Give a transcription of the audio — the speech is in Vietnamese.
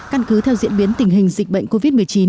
căn cứ theo diễn biến tình hình dịch bệnh covid một mươi chín